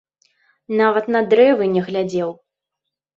Нават на дрэвы не глядзеў.